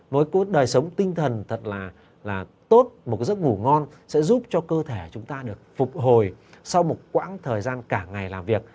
mỗi đời sống tinh thần thật là tốt một cái giấc ngủ ngon sẽ giúp cho cơ thể chúng ta được phục hồi sau một quãng thời gian cả ngày làm việc